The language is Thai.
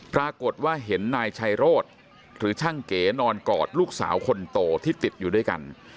ปรากฏว่าเห็นนายชัยโรธหรือช่างเก๋นอนกอดลูกสาวคนโตที่ติดอยู่ด้วยกัน